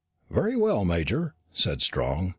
"Very well, Major," said Strong.